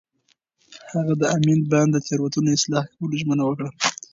هغه د امین بانډ د تېروتنو اصلاح کولو ژمنه وکړه.